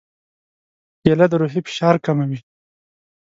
کېله د روحي فشار کموي.